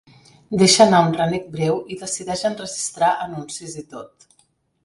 Deixa anar un renec breu i decideix enregistrar anuncis i tot.